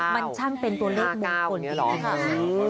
มันช่างเป็นตัวเลขมงคลเหรอ